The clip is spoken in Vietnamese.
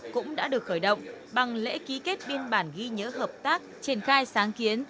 cũng đã được khởi động bằng lễ ký kết biên bản ghi nhớ hợp tác triển khai sáng kiến